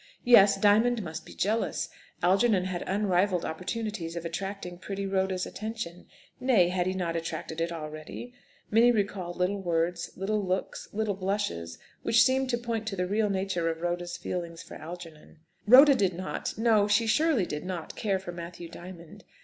Yes, Diamond must be jealous. Algernon had unrivalled opportunities of attracting pretty Rhoda's attention. Nay, had he not attracted it already? Minnie recalled little words, little looks, little blushes, which seemed to point to the real nature of Rhoda's feelings for Algernon. Rhoda did not no; she surely did not care for Matthew Diamond.